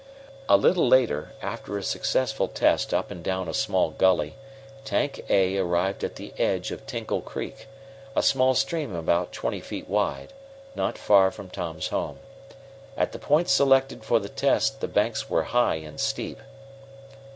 A little later, after a successful test up and down a small gully, Tank A arrived at the edge of Tinkle Creek, a small stream about twenty feet wide, not far from Tom's home. At the point selected for the test the banks were high and steep.